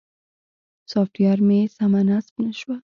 سافټویر مې سمه نصب نه شوه.